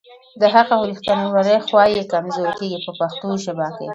د حق او ریښتیولۍ خوا یې کمزورې کیږي په پښتو ژبه.